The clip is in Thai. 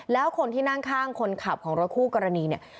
แล้วคนที่นั่งข้างคนขับของรถคู่กรณีเนี่ย